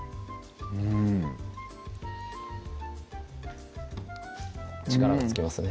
うん力がつきますね